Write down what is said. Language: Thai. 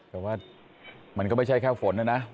แต่ว่ามันก็ไม่ใช่แค่ฝนนะนะ